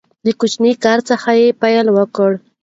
د کوچني کار څخه پیل وکړئ.